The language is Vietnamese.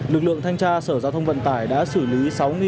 lực lượng thanh tra sở giao thông vận tải đã xử lý